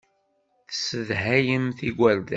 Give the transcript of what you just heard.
Tessedhayemt igerdan.